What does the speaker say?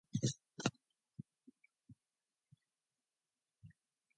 Spalding have played at the Sir Halley Stewart Field since their establishment.